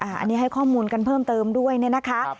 อันนี้ให้ข้อมูลกันเพิ่มเติมด้วยเนี่ยนะคะ